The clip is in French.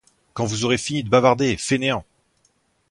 Quand vous aurez fini de bavarder, fainéants!